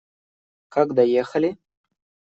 Как доехали?